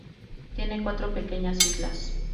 Tiene cuatro pequeñas islas.